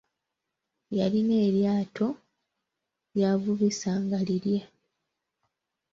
Yalina eryato ly'avubisa nga lilye.